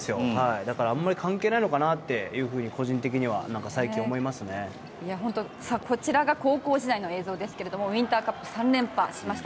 あんまり関係ないのかなって個人的には高校時代の映像ですがウインターカップ３連覇しました。